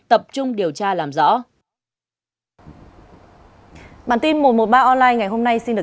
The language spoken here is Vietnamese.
tập trung điều tra làm rõ